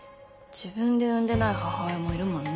自分で産んでない母親もいるもんね。